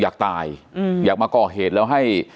อยากตายอยากมาก่อเหตุแล้วให้